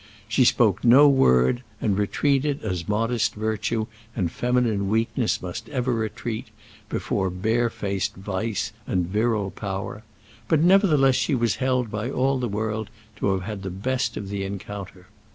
She spoke no word, and retreated, as modest virtue and feminine weakness must ever retreat, before barefaced vice and virile power; but nevertheless she was held by all the world to have had the best of the encounter.